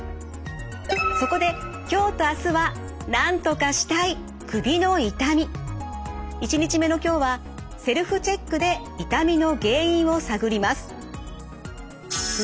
そこで今日と明日は１日目の今日はセルフチェックで痛みの原因を探ります。